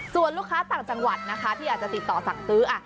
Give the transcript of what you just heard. ส่วนลูกค้าต่างจังหวัดนะคะที่อาจจะติดต่อสั่งซื้อ